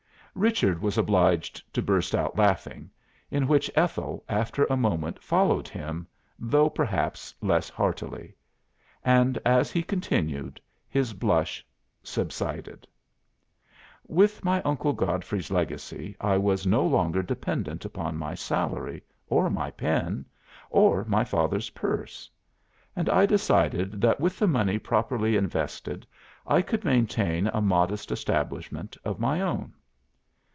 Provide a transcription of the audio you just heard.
Richard was obliged to burst out laughing, in which Ethel, after a moment, followed him, though perhaps less heartily. And as he continued, his blush subsided. "With my Uncle Godfrey's legacy I was no longer dependent upon my salary, or my pen, or my father's purse; and I decided that with the money properly invested, I could maintain a modest establishment of my own.